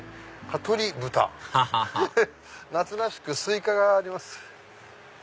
アハハハハ夏らしくスイカがあります。